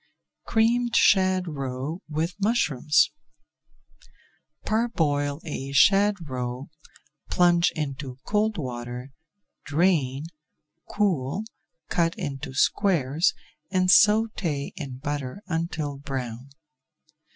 CREAMED SHAD ROE WITH MUSHROOMS Parboil a shad roe, plunge into cold water, drain, cool, cut into squares, and sauté in butter until brown.